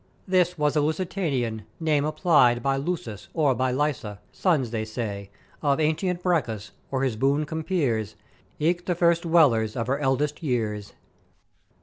This was the Lusitania, name applied by Lusus or by Lysa, sons, they say, of antient Bacchus, or his boon compeers, eke the first dwellers of her eldest years.